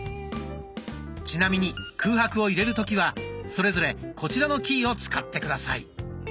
ちなみに空白を入れる時はそれぞれこちらのキーを使って下さい。